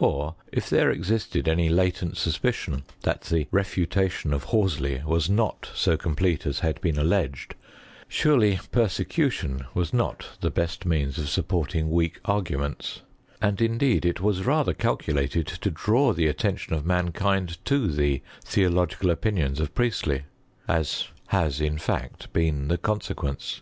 Or, if there existed any latent suspicion that the refutation of Horsley was not so complete as had been alleged, surely persecution was not the best means of supporting weak arguments ; and indeed it was rather calculated to draw the attention of mankind to the theological opinions of Priestley ; as has in fact been the consequence.